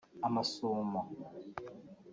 amasumo